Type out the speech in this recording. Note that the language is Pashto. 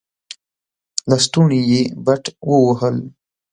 لستوڼې يې بډ ووهل.